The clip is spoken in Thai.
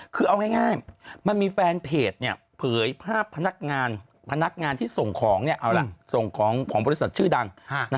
คือเอาง่ายมันมีแฟนเพจเผยภาพพนักงานที่ส่งของของบริษัทชื่อดัง